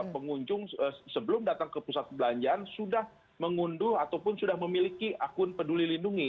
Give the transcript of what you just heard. pengunjung sebelum datang ke pusat perbelanjaan sudah mengunduh ataupun sudah memiliki akun peduli lindungi